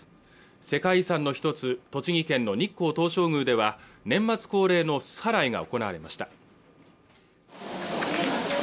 世界遺産の一つ栃木県の日光東照宮では年末恒例のすす払いが行われました